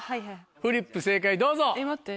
フリップ正解どうぞ。